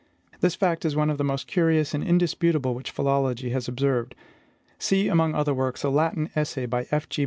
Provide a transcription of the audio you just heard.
This fact is one of the most curious and indisputable which philology has observed. See, among other works, a Latin essay by F. G.